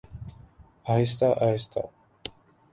آہستہ آہستہ۔